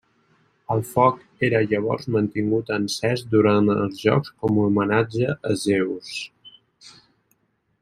El foc era llavors mantingut encès durant els Jocs com homenatge a Zeus.